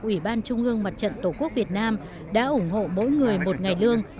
ủy ban trung ương mặt trận tổ quốc việt nam đã ủng hộ mỗi người một ngày lương